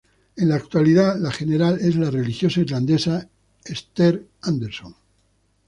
En la actualidad la general es la religiosa irlandesa Esther Anderson.